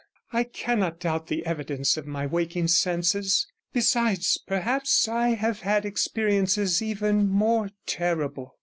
I cannot doubt the evidence of my waking senses. Besides, perhaps I have had experiences even more terrible.